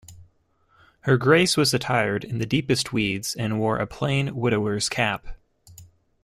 Her grace was attired in the deepest weeds, and wore a plain widower's cap.